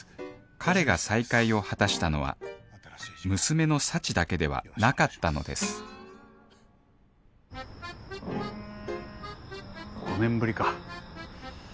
彼が再会を果たしたのは娘の幸だけではなかったのです５年ぶりか。